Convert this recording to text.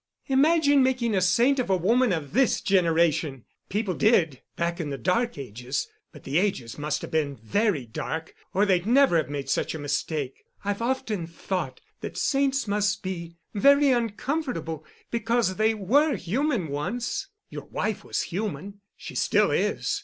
Imagine making a saint of a woman of this generation! People did—back in the Dark Ages—but the ages must have been very dark, or they'd never have made such a mistake. I've often thought that saints must be very uncomfortable, because they were human once. Your wife was human. She still is.